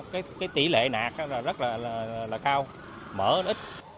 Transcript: cái tỷ lệ nạt rất là cao mỡ ít